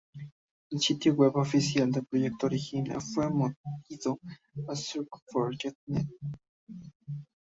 El sitio web oficial del proyecto original fue movido a SourceForge.net.